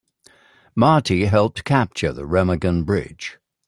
Marty helped capture the Remagen Bridge.